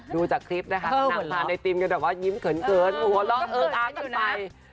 ดูจากคลิปนะคะหนังผ่านไอติมกันแบบว่ายิ้มเขินเกินหัวเราะอ้าวอ้าวอยู่ในน้ำ